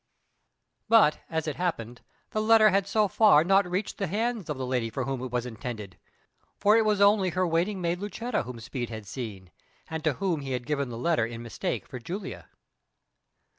But, as it happened, the letter had so far not reached the hands of the lady for whom it was intended, for it was only her waiting maid Lucetta whom Speed had seen, and to whom he had given the letter in mistake for Julia.